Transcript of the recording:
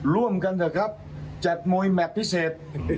ร่วมกันเถอะครับจัดมวยแมทพิเศษ